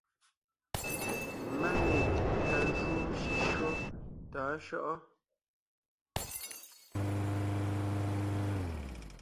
Máne ka júu shʉ́shyó tɔ̌ɔn shyɔ́ʼɔ ?